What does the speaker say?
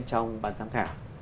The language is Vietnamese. trong ban giám khảo